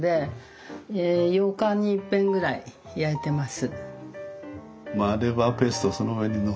８日にいっぺんぐらい焼いてます。